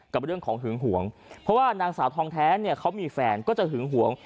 กับเรื่องของหึงหวงเพราะว่านางสาวทองแท้เนี่ยเขามีแฟนก็จะหึงหวง